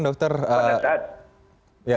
dokter pada saat